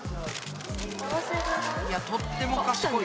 いやとっても賢いよ。